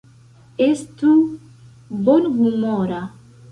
Estu bonhumora.